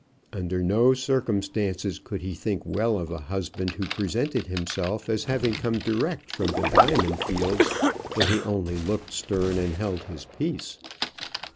Under no circumstances could he think well of a husband who presented himself as having come direct from the diamond fields, though he only looked stern and held his peace.